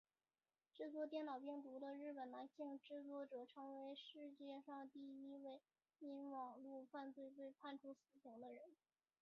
制作电脑病毒的日本男性制作者成为史上第一位因网路犯罪被判处死刑的人。